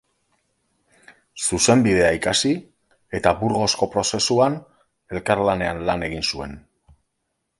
Zuzenbidea ikasi eta Burgosko prozesuan elkarlanean lan egin zuen.